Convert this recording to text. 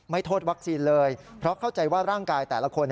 โทษวัคซีนเลยเพราะเข้าใจว่าร่างกายแต่ละคน